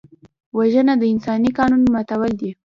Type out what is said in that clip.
وژنه د انساني قانون ماتول دي